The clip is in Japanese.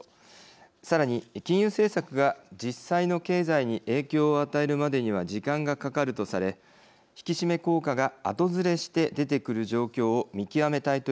さらに金融政策が実際の経済に影響を与えるまでには時間がかかるとされ引き締め効果が後ずれして出てくる状況を見極めたいという思惑があります。